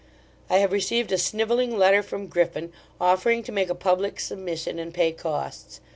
I have received a snivelling letter from Griffin, offering to make a public submission and pay costs.